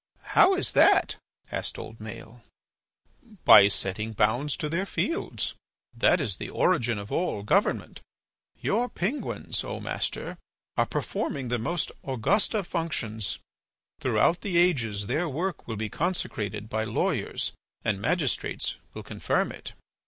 "How is that?" asked old Maël. "By setting bounds to their fields. That is the origin of all government. Your penguins, O Master, are performing the most august of functions. Throughout the ages their work will be consecrated by lawyers, and magistrates will confirm it."